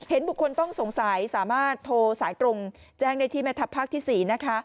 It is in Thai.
บุคคลต้องสงสัยสามารถโทรสายตรงแจ้งได้ที่แม่ทัพภาคที่๔นะคะ